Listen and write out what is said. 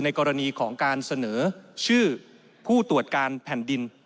กรณีของการเสนอชื่อผู้ตรวจการแผ่นดิน